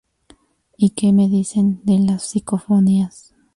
Y qué me dicen de las psicofonías